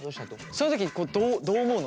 そういう時どう思うの？